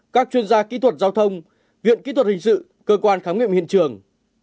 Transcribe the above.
các chuyên gia kỹ thuật giao thông viện kỹ thuật hình sự cơ quan khám nghiệm hiện trường